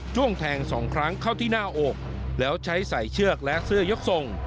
้วงแทงสองครั้งเข้าที่หน้าอกแล้วใช้ใส่เชือกและเสื้อยกทรง